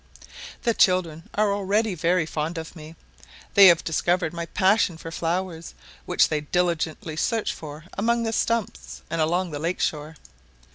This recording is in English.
The children are already very fond of me. They have discovered my passion for flowers, which they diligently search for among the stumps and along the lake shore.